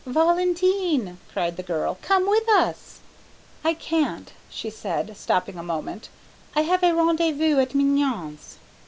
"Valentine!" cried the girl, "come with us!" "I can't," she said, stopping a moment "I have a rendezvous at Mignon's."